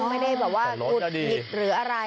ไม่ได้แบบว่ายดหรืออะไร